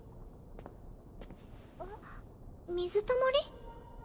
あっ水たまり？